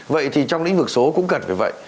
vậy thì trong lĩnh vực số cũng cần phải